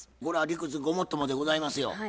これは理屈ごもっともでございますよ。